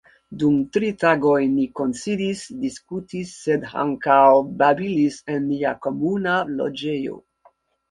Dum tri tagoj ni kunsidis, diskutis, sed ankaŭ babilis en nia komuna loĝejo.